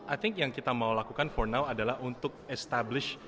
i think yang kita mau lakukan fornal adalah untuk establish